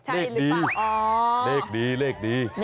เลขดีเลขดีเลขดี